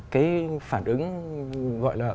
cái phản ứng gọi là